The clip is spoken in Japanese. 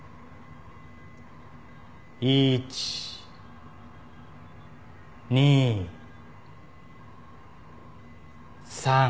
１２３。